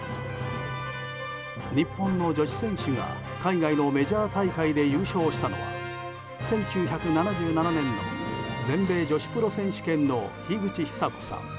日本の女子選手が、海外のメジャー大会で優勝したのは１９７７年の全米女子プロ選手権の樋口久子さん